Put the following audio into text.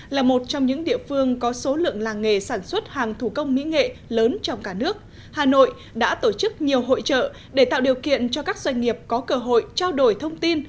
là một trong những địa phương có số lượng làng nghề sản xuất hàng thủ công mỹ nghệ lớn trong cả nước hà nội đã tổ chức nhiều hội trợ để tạo điều kiện cho các doanh nghiệp có cơ hội trao đổi thông tin